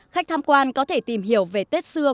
khách tham quan có thể tìm hiểu về tết xưa